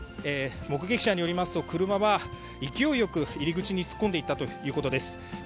目撃者によりますと、車は勢いよく入り口に突っ込んでいったということです。